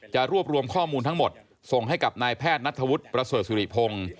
รวบรวมข้อมูลทั้งหมดส่งให้กับนายแพทย์นัทธวุฒิประเสริฐศิริพงศ์